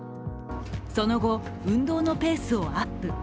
その後、運動のペースをアップ。